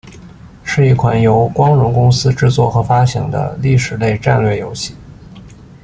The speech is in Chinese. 是一款由光荣公司制作和发行的历史类战略游戏。